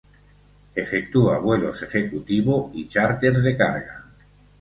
Efectúa vuelos ejecutivo y charters de carga.